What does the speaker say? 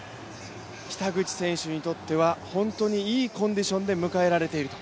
北口選手にとっては、本当にいいコンディションで迎えられていると。